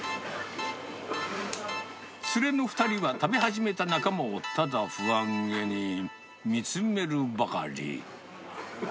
連れの２人は、食べ始めた仲間をただ不安げに、見つめるばかり。